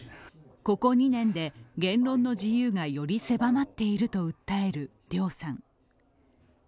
ここ２年で言論の自由がより狭まっていると訴える梁さん。